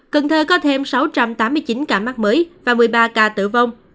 cần thơ có thêm sáu trăm tám mươi chín ca mắc mới và một mươi ba ca tử vong